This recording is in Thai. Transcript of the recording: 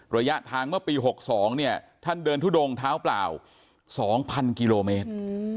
ระยะทางเมื่อปี๖๒เนี่ยท่านเดินทุดงเท้าเปล่า๒๐๐กิโลเมตร